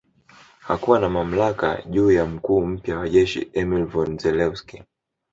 Hakuwa na mamlaka juu ya mkuu mpya wa jeshi Emil Von Zelewski